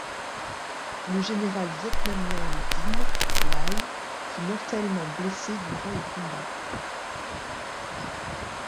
Le général vietnamien Le Dinh Lai fut mortellement blessé durant le combat.